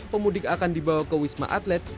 pemudik akan dibawa ke wisma atlet